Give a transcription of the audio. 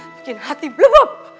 bikin hati blebeb